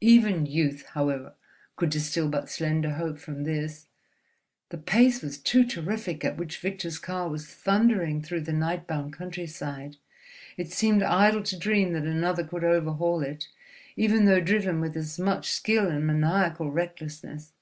Even youth, however, could distill but slender hope from this. The pace was too terrific at which Victor's car was thundering through the night bound countryside, it seemed idle to dream that another could overhaul it, even though driven with as much skill and maniacal recklessness.